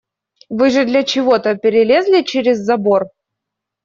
Вы же для чего-то перелезли через забор.